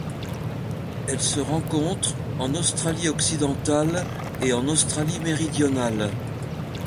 Elles se rencontrent en Australie-Occidentale et en Australie-Méridionale.